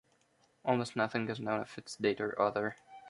Almost nothing is known of its date or author.